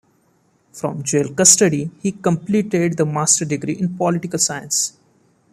From jail custody he completed the Master degree in Political Science.